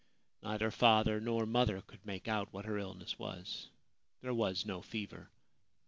Neither father nor mother could make out what her illness was. There was no fever.